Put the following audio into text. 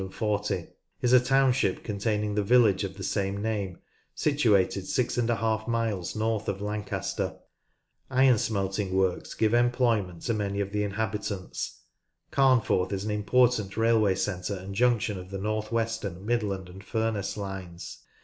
(3040), is a township containing the village of the same name situated 6^ miles north of Lancaster. CHIEF TOWNS AXD VILLA* IKS 1(55 Iron smelting works give employment to many of the inhabitants. Carnforth is an important railway centre and junction of the NorthWestern, Midland, and Furness lines.